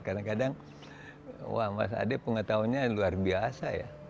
kadang kadang wah mas ade pengetahunya luar biasa ya